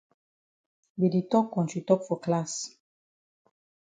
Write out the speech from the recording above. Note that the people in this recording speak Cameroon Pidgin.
Dey di tok kontri tok for class.